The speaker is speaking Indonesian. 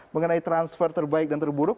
mengenai transfer terbaik dan terburuk